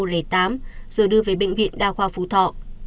rồi đưa về bệnh viện đa khoa phú thọ